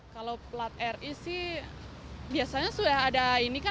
kalau plat ri sih biasanya sudah ada ini kan